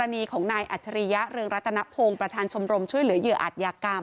ที่ที่